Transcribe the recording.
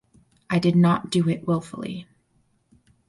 I did not do it wilfully.